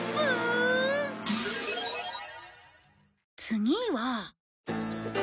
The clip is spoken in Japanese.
次は。